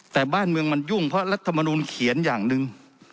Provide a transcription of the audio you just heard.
แต่บ้านเมืองมันยุ่งเพราะรัฐมนูลเขียนอย่างหนึ่ง